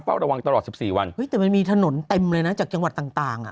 เป้าระวังตลอด๑๔วันมีถนนเต็มเลยนะจากจังหวัดต่างอ่ะ